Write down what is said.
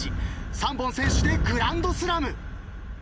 ３本先取でグランドスラム。